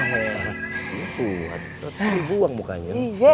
buat seharusnya dibuang mukanya